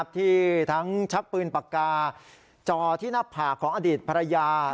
ที่ทั้งชักปืนปากกาจอที่หน้าผากของอดีตภรรยา